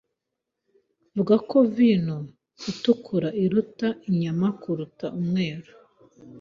Bavuga ko vino itukura iruta inyama kuruta umweru.